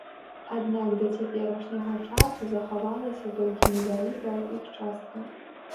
Аднак да цяперашняга часу захавалася толькі невялікая іх частка.